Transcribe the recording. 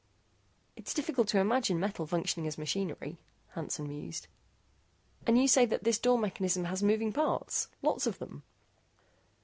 "It's difficult to imagine metal functioning as machinery," Hansen mused. "And you say that this door mechanism has moving parts, lots of them?"